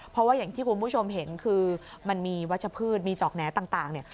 เพราะว่าอย่างที่คุณผู้ชมเห็นคือมันมีวัชพืชมีจอกแหน่ต่างเนี่ย